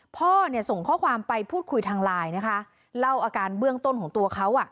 พ่อเนี่ยส่งข้อความไปพูดคุยทางไลน์นะคะเล่าอาการเบื้องต้นของตัวเขาอ่ะ